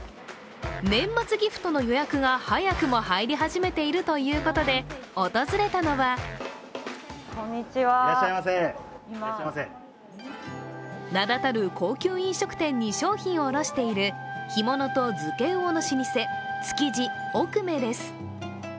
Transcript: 年末ギフトの予約が早くも入り始めているということで、訪れたのは名だたる高級飲食店に商品を卸している干物と漬け魚の老舗、つきぢ尾粂です。